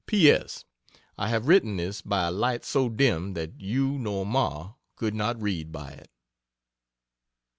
P. S. I have written this by a light so dim that you nor Ma could not read by it.